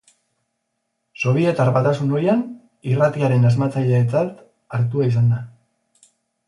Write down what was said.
Sobietar Batasun ohian irratiaren asmatzailetzat hartua izan da.